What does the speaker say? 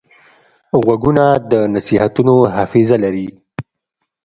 غوږونه د نصیحتونو حافظه لري